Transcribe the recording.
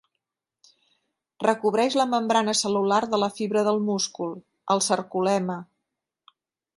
Recobreix la membrana cel·lular de la fibra del múscul: el sarcolemma.